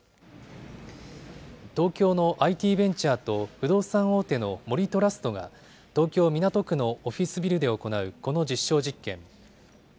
東京のＩＴベンチャーと不動産大手の森トラストが、東京・港区のオフィスビルで行うこの実証実験。